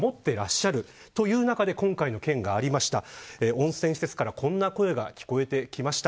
温泉施設からこんな声が聞こえてきました。